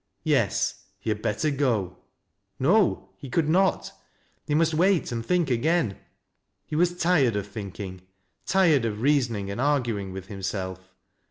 Yes ; he had better go. No, — he could not, — he must wait and think again. He was tired of thinking, — tired of reason ing and arguing with himself.